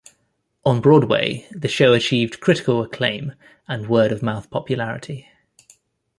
On Broadway, the show achieved critical acclaim and word-of-mouth popularity.